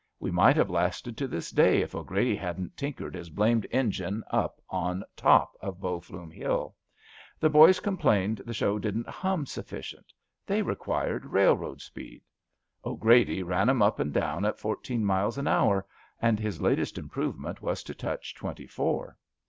We might have lasted to this day if O 'Grady hadn't tinkered his blamed engine up on top of Bow Flume Hill. The boys complained the show didn't hum sufficient. They required rail road speed. 'Grady ran 'em up and down at fourteen miles an hour; and his latest improve ment was to touch twenty four.